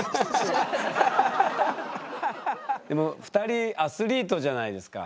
でも２人アスリートじゃないですか。